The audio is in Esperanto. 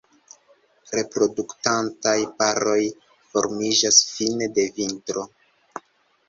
Reproduktantaj paroj formiĝas fine de vintro.